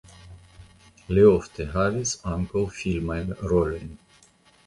Li ofte havis ankaŭ filmajn rolojn.